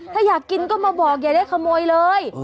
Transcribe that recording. ถ้าอยากกินก็มาบอกอย่าได้ขโมยเลย